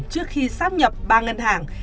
trước khi xác nhập ba ngân hàng